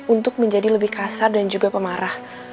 untuk menjadi lebih kasar dan juga pemarah